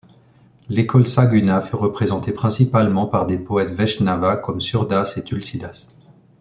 L'école Saguna fut représentée principalement par des poètes Vaishnava comme Surdas et Tulsîdâs.